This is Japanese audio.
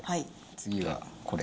次はこれ。